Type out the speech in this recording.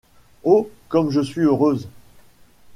Oh ! comme je suis heureuse !